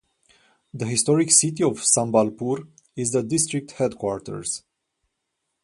The historic city of Sambalpur is the district headquarters.